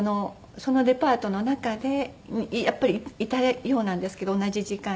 そのデパートの中でやっぱりいたようなんですけど同じ時間に。